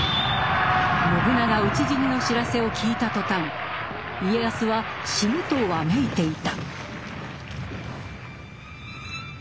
信長討ち死にの知らせを聞いた途端家康は「死ぬ」とわめいていた。